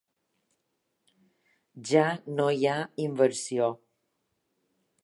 Ja no hi ha inversió.